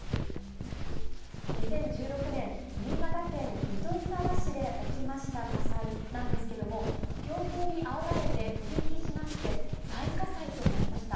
２０１６年、新潟県糸魚川市で起きました火災なんですけれども、強風にあおられて飛び火しまして、大火災となりました。